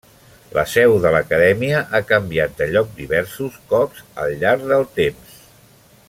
La seu de l'acadèmia ha canviat de lloc diversos cops al llarg del temps.